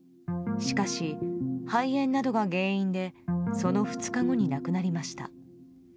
しかし、肺炎などが原因でその２日後に亡くなりました。